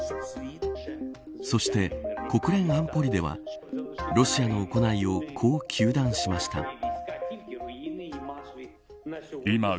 そして、国連安保理ではロシアの行いをこう糾弾しました。